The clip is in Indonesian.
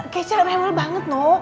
keesah rewel banget no